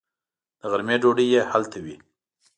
د غرمې ډوډۍ یې هلته وي.